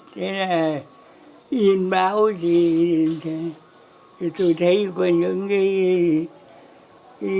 thế là in báo thì tôi thấy có những cái